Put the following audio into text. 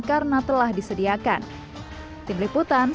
karena tidak bisa membawa air zam zam